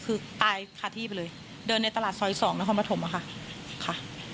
คือตายขาดที่ไปเลยเดินในตลาดซอยสองแล้วเข้ามาถมอ่ะค่ะค่ะ